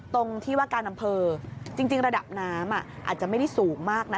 ตรงที่ว่าการอำเภอจริงระดับน้ำอาจจะไม่ได้สูงมากนะ